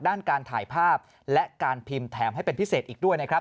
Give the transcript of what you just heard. ด้านการถ่ายภาพและการพิมพ์แถมให้เป็นพิเศษอีกด้วยนะครับ